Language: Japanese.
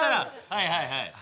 はいはいはい。